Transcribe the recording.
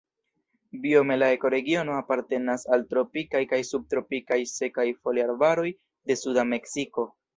Biome la ekoregiono apartenas al tropikaj kaj subtropikaj sekaj foliarbaroj de suda Meksiko.